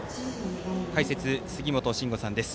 解説、杉本真吾さんです。